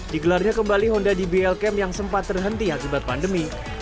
digelarnya kembali honda dbl camp yang sempat terhenti akibat pandemi